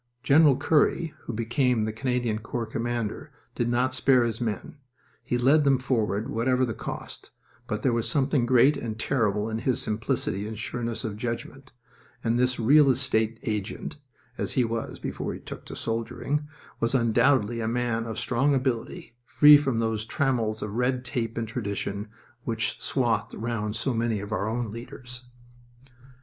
General Currie, who became the Canadian Corps Commander, did not spare his men. He led them forward whatever the cost, but there was something great and terrible in his simplicity and sureness of judgment, and this real estate agent (as he was before he took to soldiering) was undoubtedly a man of strong ability, free from those trammels of red tape and tradition which swathed round so many of our own leaders.